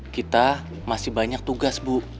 kita masih banyak tugas bu